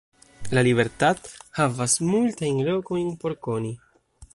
La Libertad havas multajn lokojn por koni.